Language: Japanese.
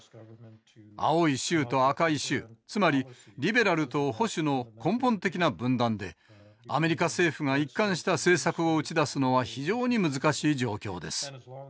青い州と赤い州つまりリベラルと保守の根本的な分断でアメリカ政府が一貫した政策を打ち出すのは非常に難しい状況です。